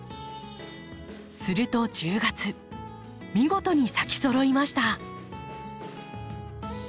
すると１０月見事に咲きそろいました。